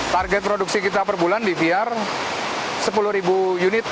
target produksi kita per bulan di fiar sepuluh unit